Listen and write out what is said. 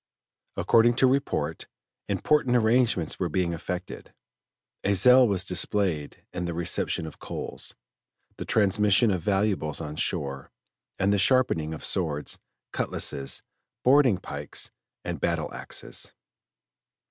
According to report, important arrangements were being effected; a zeal was displayed in the reception of coals, the transmission of valuables on shore, and the sharpening of swords, cutlasses, boarding pikes, and battle axes.